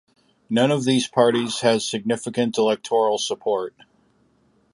None of these parties has significant electoral support.